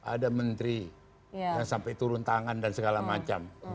ada menteri yang sampai turun tangan dan segala macam